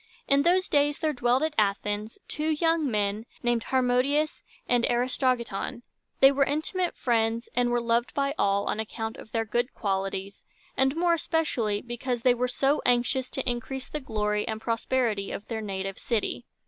In those days there dwelt at Athens two young men named Har mo´di us and A ris to gi´ton. They were intimate friends, and were loved by all on account of their good qualities, and more especially because they were so anxious to increase the glory and prosperity of their native city.